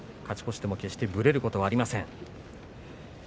勝ち越しても決してぶれることがありません。